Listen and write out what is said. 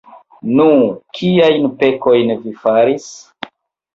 Nu, kiajn pekojn vi faris?